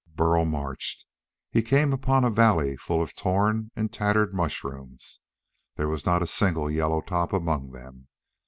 Burl marched. He came upon a valley full of torn and tattered mushrooms. There was not a single yellow top among them.